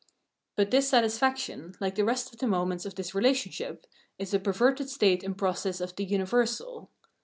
But this satisfaction, hke the rest of the moments of this relationship, is a perverted state and process of the universal.